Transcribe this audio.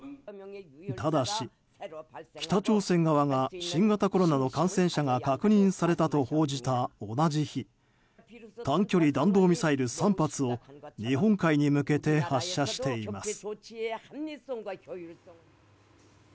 ただし、北朝鮮側が新型コロナの感染者が確認されたと報じた同じ日短距離弾道ミサイル３発を日本海に向けて発射しています。